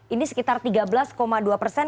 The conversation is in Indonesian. ini sekitar tiga belas dua persen